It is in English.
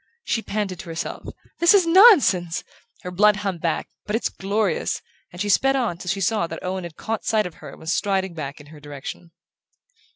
She panted to herself: "This is nonsense!" her blood hummed back: "But it's glorious!" and she sped on till she saw that Owen had caught sight of her and was striding back in her direction.